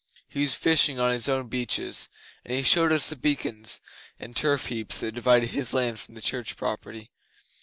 He was fishing on his own beaches, and he showed us the beacons and turf heaps that divided his land from the church property.